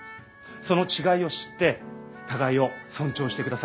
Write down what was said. その違いを知って互いを尊重してください。